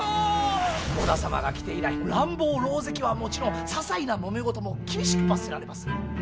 織田様が来て以来乱暴狼藉はもちろんささいなもめ事も厳しく罰せられます。